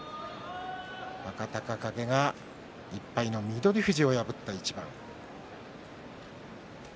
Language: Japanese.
若隆景が１敗の翠富士を破った一番。